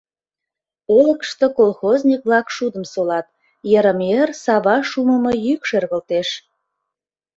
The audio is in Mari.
Олыкышто колхозник-влак шудым солат, йырым-йыр сава шумымо йӱк шергылтеш.